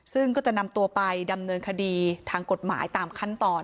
ซึ่งก็จะนำตัวไปดำเนินคดีทางกฎหมายตามขั้นตอน